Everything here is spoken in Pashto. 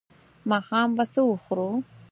ماښام به څه وخورو؟